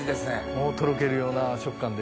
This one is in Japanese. もうとろけるような食感で。